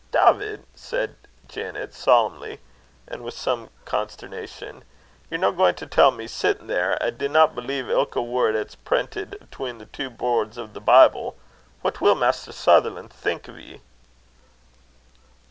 "Dawvid," said Janet, solemnly, and with some consternation, "ye're no gaein' to tell me, sittin' there, at ye dinna believe ilka word 'at's prentit atween the twa brods o' the Bible? What will Maister Sutherlan' think o' ye?"